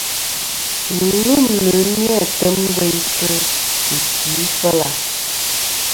Ghɨlûmnɨ ni-a tem gveynsɨ a ghɨkì fel.